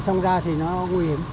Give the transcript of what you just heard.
xong ra thì nó nguy hiểm